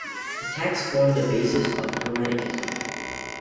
The texts form the basis of Hermeticism.